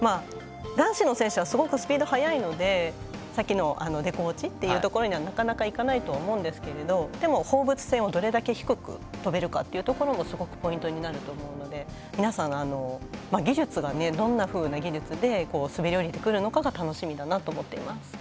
男子の選手はすごくスピードが速いのでさっきのデコ落ちにはなかなか行かないと思うんですがでも、放物線をどれだけ低くとべるかもすごくポイントになると思うので皆さんの技術がどんなふうな技術で滑り降りてくるのか楽しみだなと思っています。